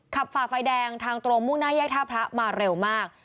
ฝ่าไฟแดงทางตรงมุ่งหน้าแยกท่าพระมาเร็วมาก